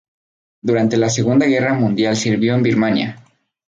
Durante la Segunda Guerra Mundial sirvió en Birmania.